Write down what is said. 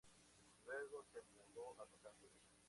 Luego se mudó a Los Angeles.